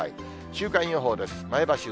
週間予報です。